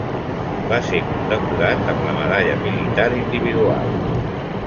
Va ser condecorat amb la Medalla Militar Individual.